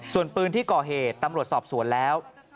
ส่วนปืนที่ก่อเหตุตำรวจสอบสวนแล้ว